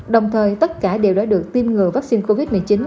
đồng thời tất cả đều đã được tiêm ngừa vaccine covid một mươi chín